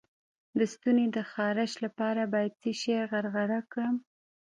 د ستوني د خارش لپاره باید څه شی غرغره کړم؟